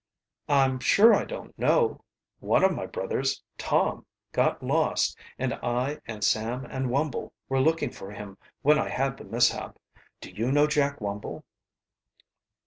"I'm sure I don't know. One of my brothers, Tom, got lost and I and Sam and Wumble were looking for him when I had the mishap. Do you know Jack Wumble?"